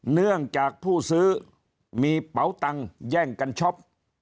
เนื่องจากผู้ซื้อมีเป๋าตังแย่งกันช็อป